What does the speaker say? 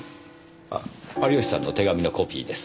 ああ有吉さんの手紙のコピーです。